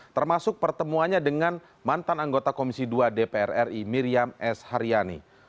termasuk pertemuannya dengan mantan anggota komisi dua dpr ri miriam s haryani